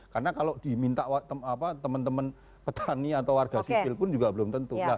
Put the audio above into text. karena kalau diminta teman teman petani atau warga sipil pun juga belum tentu